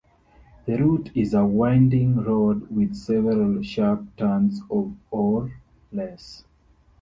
The route is a winding road with several sharp turns of or less.